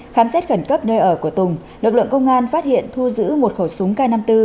khám xét khẩn cấp nơi ở của tùng lực lượng công an phát hiện thu giữ một khẩu súng k năm mươi bốn